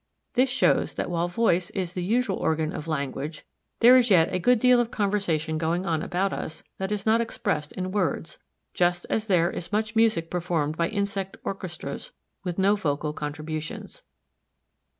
This shows that while voice is the usual organ of language there is yet a good deal of conversation going on about us that is not expressed in words, just as there is much music performed by insect orchestras with no vocal contributions.